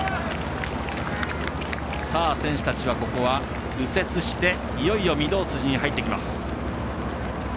選手たちは右折していよいよ御堂筋に入ってきます。